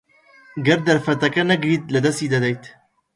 ئەگەر دەرفەتەکە نەگریت، لەدەستی دەدەیت.